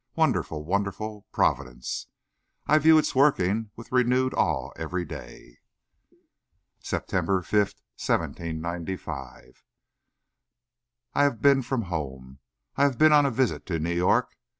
Wonderful, wonderful Providence! I view its workings with renewed awe every day. SEPTEMBER 5, 1795. I have been from home. I have been on a visit to New York.